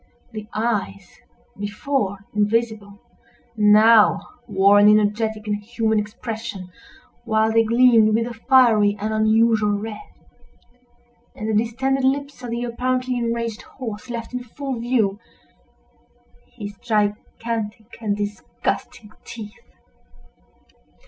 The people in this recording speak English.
The eyes, before invisible, now wore an energetic and human expression, while they gleamed with a fiery and unusual red; and the distended lips of the apparently enraged horse left in full view his gigantic and disgusting teeth.